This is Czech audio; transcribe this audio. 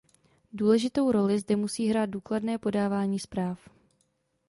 Důležitou roli zde musí hrát důkladné podávání zpráv.